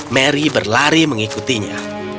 mary berlari mengikutinya